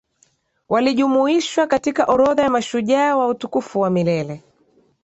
walijumuishwa katika orodha ya mashujaa wa utukufu wa milele